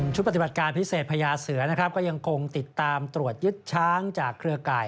ปฏิบัติการพิเศษพญาเสือนะครับก็ยังคงติดตามตรวจยึดช้างจากเครือข่าย